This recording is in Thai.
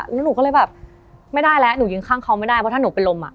แล้วหนูก็เลยแบบไม่ได้แล้วหนูยืนข้างเขาไม่ได้เพราะถ้าหนูเป็นลมอ่ะ